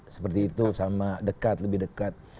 seperti itu sama dekat lebih dekat